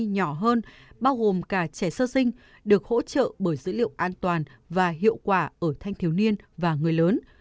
nhỏ hơn bao gồm cả trẻ sơ sinh được hỗ trợ bởi dữ liệu an toàn và hiệu quả ở thanh thiếu niên và người lớn